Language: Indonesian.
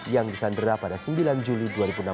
yang disandera pada sembilan juli dua ribu enam belas